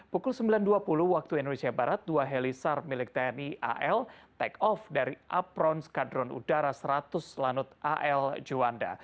pukul sembilan dua puluh waktu indonesia barat dua helisar milik tni al take off dari apron skadron udara seratus lanut al juanda